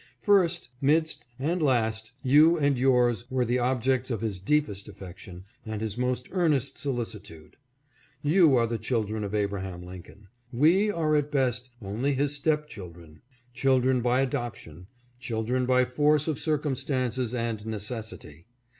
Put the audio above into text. First, midst, and last, you and yours were the objects of his deepest affection and his most earnest solicitude. You are the children of Abra ham Lincoln. We are at best only his step children ; children by adoption, children by force of circumstances and necessity.